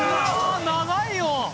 長いよ。